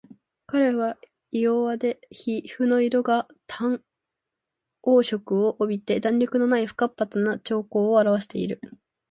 彼は胃弱で皮膚の色が淡黄色を帯びて弾力のない不活発な徴候をあらわしている